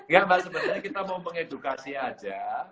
ya mbak sebenarnya kita mau mengedukasi aja